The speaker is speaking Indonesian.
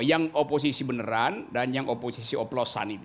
yang oposisi beneran dan yang oposisi oplosan ini